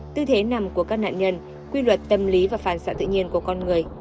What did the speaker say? tư thế nằm của các nạn nhân quy luật tâm lý và phản xạ tự nhiên của con người